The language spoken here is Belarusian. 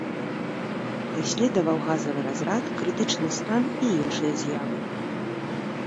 Даследаваў газавы разрад, крытычны стан і іншыя з'явы.